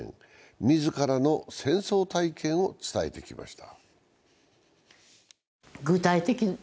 自らの戦争体験を伝えてきました。